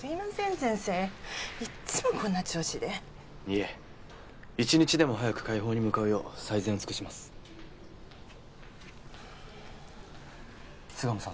先生いっつもこんな調子でいえ一日でも早く快方に向かうよう最善を尽くします巣鴨さん